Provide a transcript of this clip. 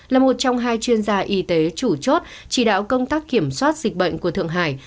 là một trong hai chuyên gia y tế chủ chốt chỉ đạo công tác kiểm soát dịch bệnh của thượng hải